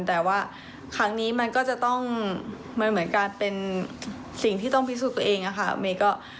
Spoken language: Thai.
แต่ว่าครั้งนี้มันก็จะต้องเป็นสิ่งที่ต้องพิสูจน์ตัวเองนะคะ